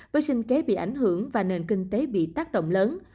vệ sinh kế bị ảnh hưởng và nền kinh tế bị tổn thương